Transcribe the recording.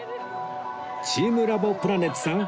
チームラボプラネッツさん